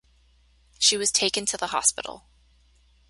She was taken to the hospital.